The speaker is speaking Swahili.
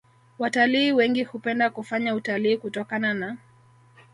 Watalii wengi hupenda kufanya utalii kutokana na